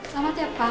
selamat ya pak